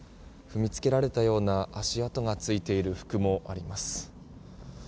踏みつけられたような足跡がついている服もあります。